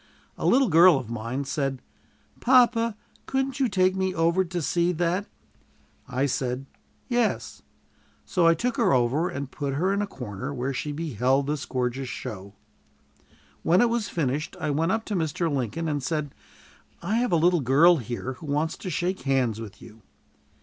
A little girl of mine said, "Papa, couldn't you take me over to see that?" I said, "Yes"; so I took her over and put her in a corner, where she beheld this gorgeous show. When it was finished, I went up to Mr. Lincoln and said, "I have a little girl here who wants to shake hands with you."